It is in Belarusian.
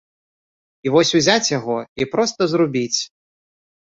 І вось узяць яго, і проста зрубіць.